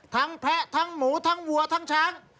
แพะทั้งหมูทั้งวัวทั้งช้าง